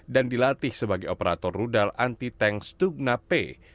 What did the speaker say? dan dilatih sebagai operator rudal anti tank stugna p